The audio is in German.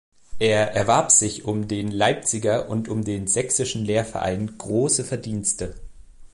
Er erwarb sich um den Leipziger und um den Sächsischen Lehrerverein große Verdienste.